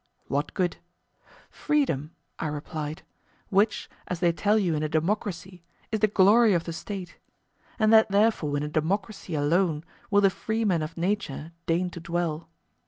What good? Freedom, I replied; which, as they tell you in a democracy, is the glory of the State—and that therefore in a democracy alone will the freeman of nature deign to dwell.